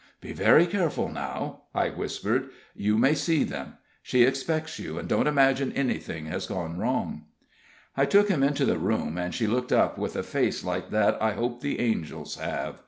"Be very careful now," I whispered, "and you may see them. She expects you, and don't imagine anything has gone wrong." I took him into the room, and she looked up with a face like what I hope the angels have.